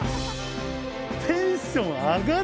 テンション上がる！